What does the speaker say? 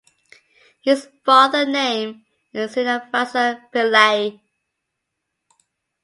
His father name is Srinivasa Pillai.